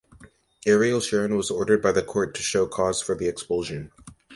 Ariel Sharon was ordered by the court to show cause for the expulsion.